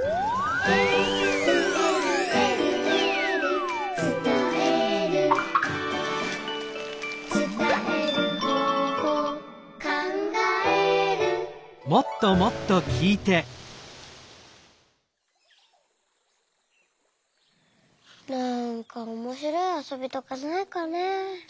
「えるえるえるえる」「つたえる」「つたえる方法」「かんがえる」なんかおもしろいあそびとかないかねえ。